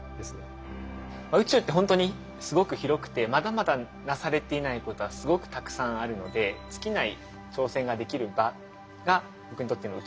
宇宙ってほんとにすごく広くてまだまだなされていないことはすごくたくさんあるので尽きない挑戦ができる場が僕にとっての宇宙だと思ってます。